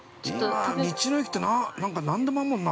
◆道の駅って、何でもあるもんな。